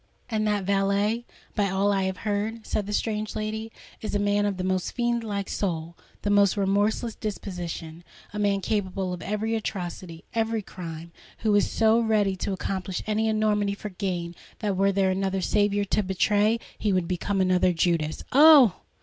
"And that valet, by all I have heard," said the strange lady, "is a man of the most fiend like soul—the most remorseless disposition,—a man capable of every atrocity—every crime,—and who is so ready to accomplish any enormity for gain, that were there another Saviour to betray, he would become another Judas." "Oh!